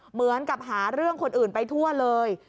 เหมือนกับหาเรื่องคนอื่นไปทั่วเลย